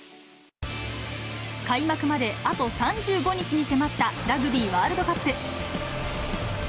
開幕まであと３５日に迫ったラグビーワールドカップ。